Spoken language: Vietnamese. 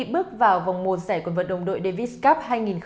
bước vào vòng một giải quần vật đồng đội davis cup hai nghìn một mươi bảy